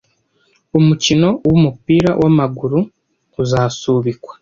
Umukino wumupira wamaguru uzasubikwa.